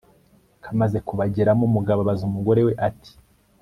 Kamaze kubageramo umugabo abaza umugore we ati